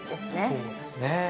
そうですね。